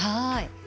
はい。